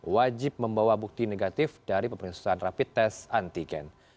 wajib membawa bukti negatif dari pemeriksaan rapid test antigen